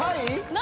何？